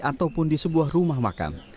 ataupun di sebuah rumah makan